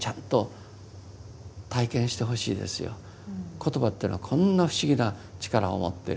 言葉っていうのはこんな不思議な力を持ってる。